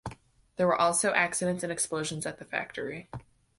There were also accidents and explosions at the factory.